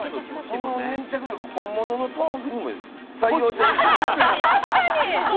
その粘着力、本物の豆腐にも採用してほしい。